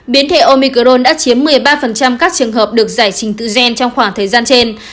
biến thể omicron đã chiếm một mươi ba các trường hợp được giải trình tự gen trong khoảng thời gian trên